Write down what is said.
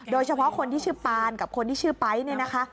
โดยเฉพาะคนที่ชื่อปานกับคนที่ชื่อไป๊เนี่ยนะคะ